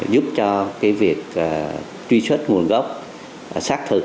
giúp cho việc truy xuất nguồn gốc xác thực